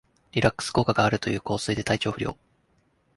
リラックス効果があるという香水で体調不良